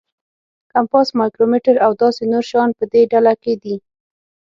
کمپاس، مایکرومیټر او داسې نور شیان په دې ډله کې دي.